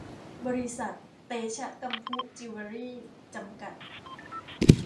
บริษัท เตชะกำพุจิวเวลรี่ จำกัด